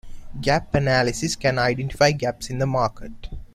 Gap analysis can identify gaps in the market.